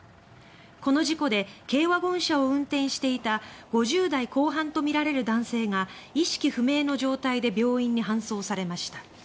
この事故で軽ワゴン車を運転していた５０代後半とみられる男性が意識不明の状態で病院に搬送されました。